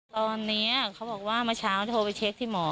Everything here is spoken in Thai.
ตอนนี้เขาบอกว่าเมื่อเช้าโทรไปเช็คที่หมอ